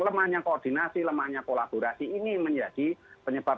lemahnya koordinasi lemahnya kolaborasi ini menjadi penyebab